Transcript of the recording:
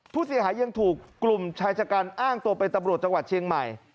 ผู้เสียหายยังถูกกลุ่มชายชะกันอ้างตัวเป็นตำรวจจังหวัดเชียงใหม่